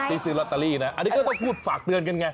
ซื้อลอตเตอรี่นะอันนี้ก็ต้องพูดฝากเตือนกันไง